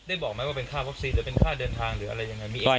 ได้บอกไหมว่าค่าปับซีนหรือค่าเดินทางหรืออะไรอย่างนั้น